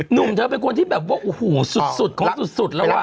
หนุ่มเธอเป็นคนที่แบบว่าโอ้โหสุดของสุดแล้วว่